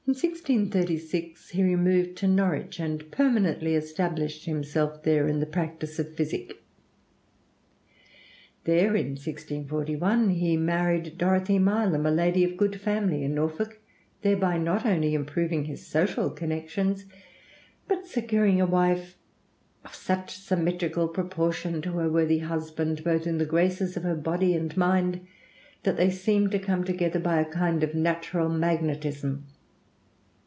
In 1636 he removed to Norwich and permanently established himself there in the practice of physic. There in 1641 he married Dorothy Mileham, a lady of good family in Norfolk; thereby not only improving his social connections, but securing a wife "of such symmetrical proportion to her worthy husband both in the graces of her body and mind, that they seemed to come together by a kind of natural magnetism."